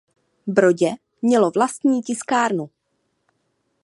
Brodě mělo vlastní tiskárnu.